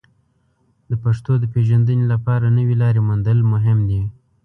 د پښتو د پیژندنې لپاره نوې لارې موندل مهم دي.